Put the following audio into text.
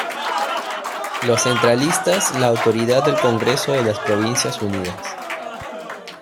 Los centralistas la autoridad del Congreso de las Provincias Unidas.